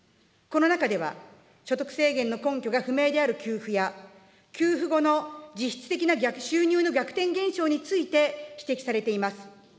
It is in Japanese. この中では、所得制限の根拠が不明である給付や、給付後の実質的な収入の逆転現象について、指摘されています。